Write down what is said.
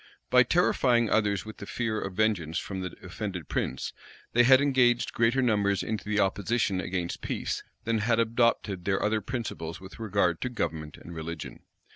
By terrifying others with the fear of vengeance from the offended prince, they had engaged greater numbers into the opposition against peace, than had adopted their other principles with regard to government and religion.